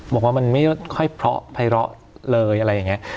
บอกว่ามันไม่ค่อยเพราะภัยเลาะเลยอะไรอย่างนี้